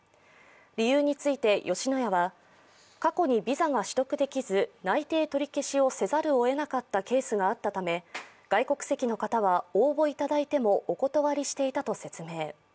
理由について吉野家は、過去にビザが取得できず内定取り消しをせざるをえなかったケースがあったため、外国籍の方は応募いただいてもお断りしていたと説明。